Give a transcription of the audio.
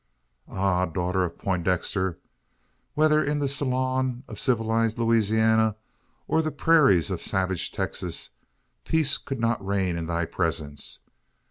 Ah, daughter of Poindexter! Whether in the salons of civilised Louisiana, or the prairies of savage Texas, peace could not reign in thy presence!